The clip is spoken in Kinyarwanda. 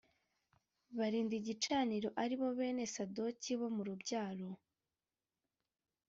barinda igicaniro ari bo bene sadoki bo mu rubyaro